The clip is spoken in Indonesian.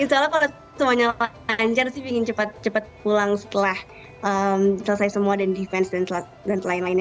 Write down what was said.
insya allah kalau semuanya lancar sih ingin cepat pulang setelah selesai semua dan defense dan lain lainnya